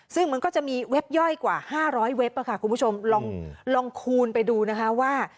ซึ่งมันก็จะมีเว็บย่อยกว่า๕๐๐เว็บค่ะคุณผู้ชมลองคูณไปดูนะคะว่า